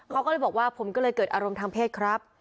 เขาก็เลยบอกว่าผมก็เลยเกิดอารมณ์ทางเพศครับ